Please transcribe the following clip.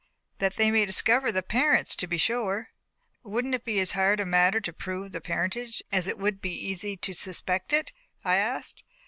That they may discover the parents, to be sure." "Wouldn't it be as hard a matter to prove the parentage, as it would be easy to suspect it?" I asked.